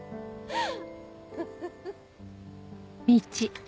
フフフッ。